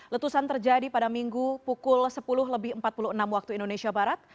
letusan terjadi pada minggu pukul sepuluh lebih empat puluh enam waktu indonesia barat